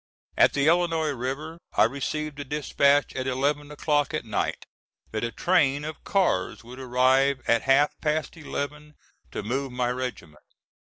At the Illinois River, I received a dispatch at eleven o'clock at night that a train of cars would arrive at half past eleven to move my regiment.